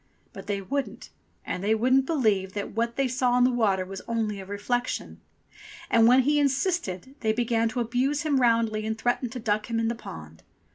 But they wouldn't, and they wouldn't believe that what they saw in the water was only a reflection. And when he insisted they began to abuse him roundly and threaten to duck him in the pond.